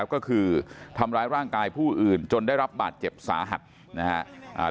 ก็คือทำร้ายร่างกายผู้อื่นจนได้รับบาดเจ็บสาหัสนะครับ